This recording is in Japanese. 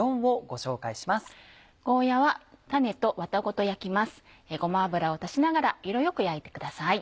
ごま油を足しながら色よく焼いてください。